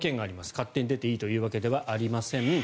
勝手に出ていいというわけではありません。